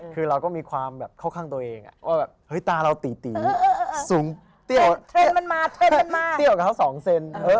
คือเราก็มีความเข้าข้างตัวเองตาเราตีสูงเตี้ยวกับเขาสองเซน